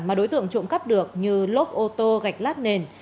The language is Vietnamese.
mà đối tượng trộm cắp được như lốp ô tô gạch lát nền